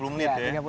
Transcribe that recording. tiga puluh menit ya